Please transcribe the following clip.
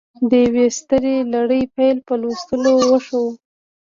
د یوې سترې لړۍ پیل په لوستلو وشو